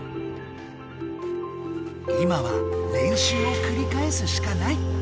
今は練習をくりかえすしかない。